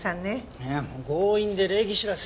いや強引で礼儀知らず。